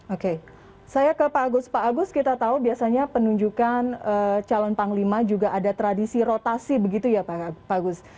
oke saya ke pak agus pak agus kita tahu biasanya penunjukan calon panglima juga ada tradisi rotasi begitu ya pak agus